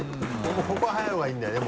ここが速い方がいいんだよね